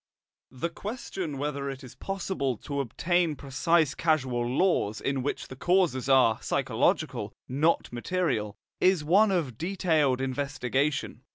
The question whether it is possible to obtain precise causal laws in which the causes are psychological, not material, is one of detailed investigation.